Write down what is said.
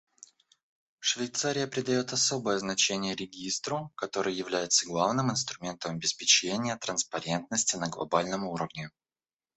Швейцария придает особое значение Регистру, который является главным инструментом обеспечения транспарентности на глобальном уровне.